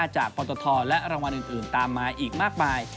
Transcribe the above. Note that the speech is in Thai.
ปตทและรางวัลอื่นตามมาอีกมากมาย